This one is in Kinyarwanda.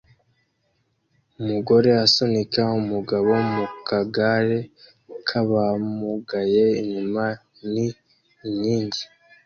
Umugore asunika umugabo mu kagare k'abamugaye; inyuma ni inkingi